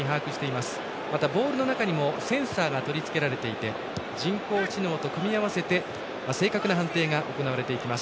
また、ボールの中にもセンサーが取り付けられていて人工知能と組み合わせて正確な判定が行われていきます。